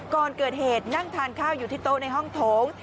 ก่อนเกิดเหตุนั่งทานข้าวอยู่ที่โต๊ะในห้องโถง